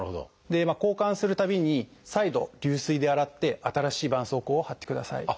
交換するたびに再度流水で洗って新しいばんそうこうを貼ってください。